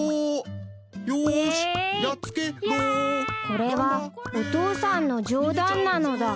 ［これはお父さんの冗談なのだ］